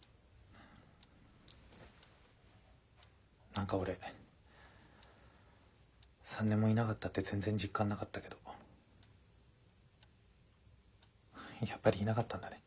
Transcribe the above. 何か俺３年もいなかったって全然実感なかったけどやっぱりいなかったんだね。